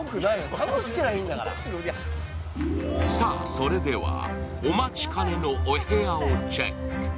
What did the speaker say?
それではお待ちかねのお部屋をチェック。